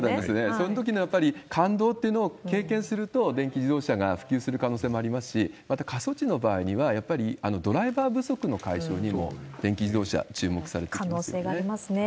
そのときのやっぱり感動というのを経験すると、電気自動車が普及する可能性もありますし、また過疎地の場合には、やっぱりドライバー不足の解消にも、電気自動車注目されてきます可能性がありますね。